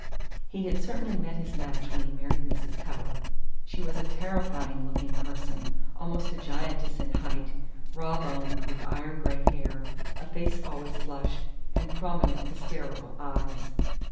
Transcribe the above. He had certainly met his match when he married Mrs. Cutter. She was a terrifying looking person; almost a giantess in height, raw boned, with iron gray hair, a face always flushed, and prominent, hysterical eyes.